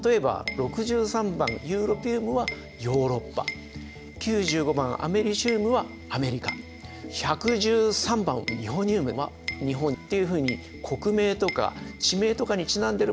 ６３番ユウロピウムはヨーロッパ９５番アメリシウムはアメリカ１１３番ニホニウムは日本っていうふうに国名とか地名とかにちなんでるものもあるわけです。